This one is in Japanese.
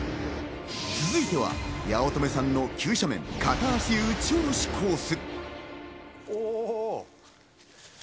続いては八乙女さんの急斜面片足射ち下ろしコース。